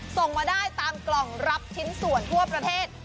ส่งมาได้ตามกล่องรับชิ้นส่วนทั่วประเทศ